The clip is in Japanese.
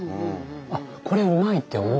あっこれうまいって思うんだって。